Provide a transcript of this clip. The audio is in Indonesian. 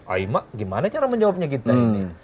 aih mak gimana cara menjawabnya kita ini